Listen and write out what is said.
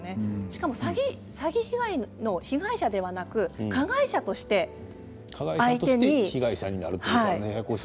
しかも、詐欺被害の被害者ではなく加害者として相手に。